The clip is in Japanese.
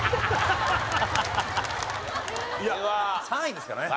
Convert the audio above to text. ３位ですからね。